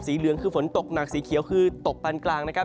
เหลืองคือฝนตกหนักสีเขียวคือตกปานกลางนะครับ